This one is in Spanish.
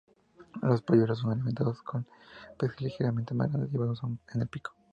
Los polluelos son alimentados con peces ligeramente más grandes llevados en el pico.